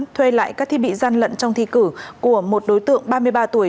thuê lại các thiết bị gian lận trong thi cử của một đối tượng ba mươi ba tuổi